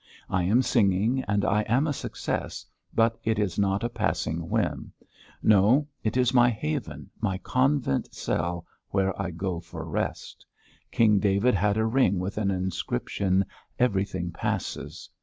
I am singing and I am a success, but it is not a passing whim. No. It is my haven, my convent cell where I go for rest. King David had a ring with an inscription: 'Everything passes.'